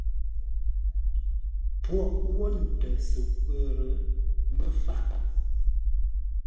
Pwoghʼ wó ndə̂ səkwə̂r mə́ fáʼ.